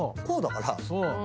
こうだから。